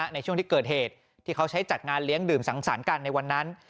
ในช่วงที่เกิดเหตุที่เขาใช้จัดงานเลี้ยงดื่มสังสรรค์กันในวันนั้น